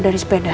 udah di sepeda